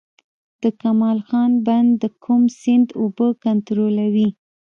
د کمال خان بند د کوم سیند اوبه کنټرولوي؟